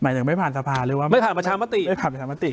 ถึงไม่ผ่านสภาหรือว่าไม่ผ่านประชามติไม่ผ่านประชามติ